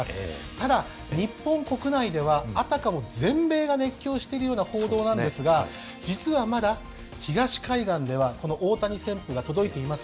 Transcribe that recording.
ただ日本国内ではあたかも全米が熱狂しているような報道なんですが実はまだ東海岸ではこの大谷旋風が届いていません。